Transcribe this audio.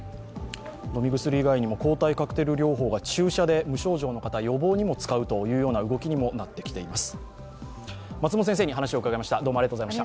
飲み薬以外にも抗体カクテル療法が注射で無症状の方、予防にも使うという動きにもなってきています。